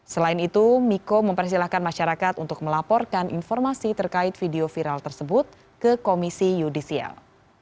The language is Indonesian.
selain itu miko mempersilahkan masyarakat untuk melaporkan informasi terkait video viral tersebut ke komisi yudisial